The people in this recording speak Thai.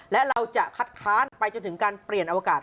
และเราจะคัดค้านไปจนถึงการเปลี่ยนอวกาศ